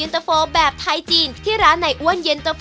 และแอ้ง